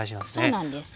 そうなんです。